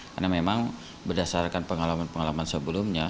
karena memang berdasarkan pengalaman pengalaman sebelumnya